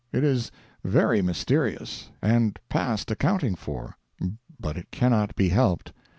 It is very mysterious, and past accounting for, but it cannot be helped.